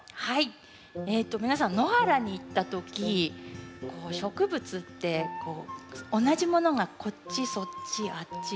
えと皆さん野原に行った時こう植物ってこう同じものがこっちそっちあっち。